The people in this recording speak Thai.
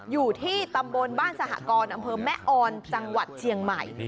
อยู่ที่ตำบลบ้านสหกรอำเภอแม่ออนจังหวัดเชียงใหม่